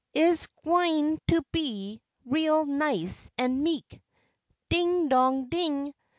Ise gwine to be real nice an' meek, Ding, Dong, Ding.